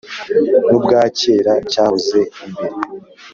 N'ubwa kera cyahoze imbere